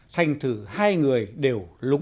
thành thử hai người đều lùng